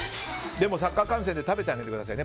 でもサッカー観戦で食べてあげてくださいね。